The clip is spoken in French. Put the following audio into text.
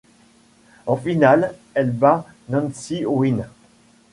En finale, elle bat Nancye Wynne.